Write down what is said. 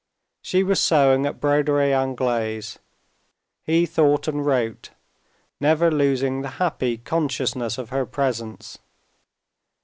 She was sewing at broderie anglaise. He thought and wrote, never losing the happy consciousness of her presence.